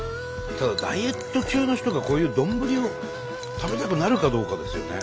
ただダイエット中の人がこういう丼を食べたくなるかどうかですよね。